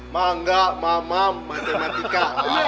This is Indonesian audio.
manga mamam matematika